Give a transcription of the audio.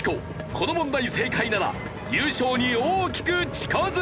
この問題正解なら優勝に大きく近づく！